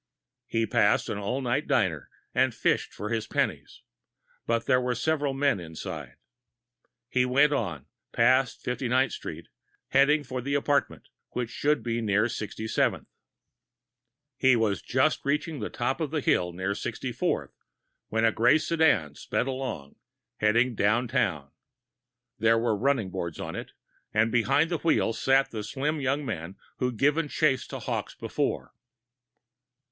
He passed an all night diner, and fished for his pennies. But there were several men inside. He went on, past Fifty ninth Street, heading for the apartment, which should be near Sixty seventh. He was just reaching the top of the hill near Sixty fourth when a gray sedan sped along, heading downtown. There were running boards on it, and behind the wheel sat the slim young man who'd given chase to Hawkes before.